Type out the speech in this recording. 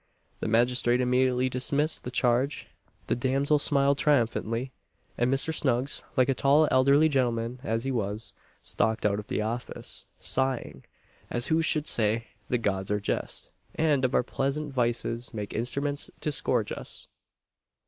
The magistrate immediately dismissed the charge; the damsel smiled triumphantly; and Mr. Snuggs, like a tall elderly gentleman as he was, stalked out of the office, sighing as who should say, "The Gods are just, and of our pleasant vices make instruments to scourge us!"